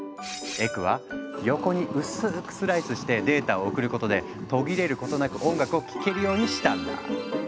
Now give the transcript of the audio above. エクはヨコに薄くスライスしてデータを送ることで途切れることなく音楽を聴けるようにしたんだ。